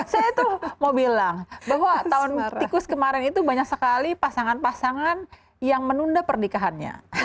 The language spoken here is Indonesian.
saya tuh mau bilang bahwa tahun tikus kemarin itu banyak sekali pasangan pasangan yang menunda pernikahannya